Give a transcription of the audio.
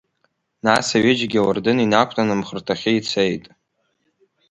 Нас аҩыџьагьы ауардын инақәтәан, амхырҭахьы ицеит.